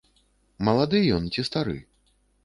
Малады ён ці стары?